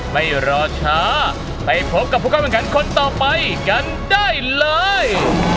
ไม่รอช้าไปพบกับผู้เข้าแข่งขันคนต่อไปกันได้เลย